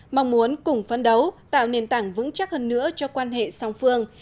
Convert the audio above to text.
mong muốn cùng phấn đấu tạo nền tảng vững chắc hơn nữa cho quan hệ song phương